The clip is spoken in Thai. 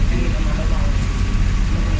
เรื่องเรื่องหมายความรัก